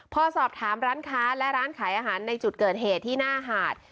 พอสอบถามร้านค้าและร้านขายอาหารในจุดเกิดเหตุที่หน้าหาด